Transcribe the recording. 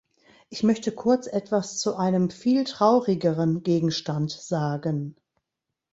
Ich möchte kurz etwas zu einem viel traurigeren Gegenstand sagen.